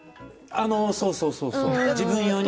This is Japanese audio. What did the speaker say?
そうそうそうそう。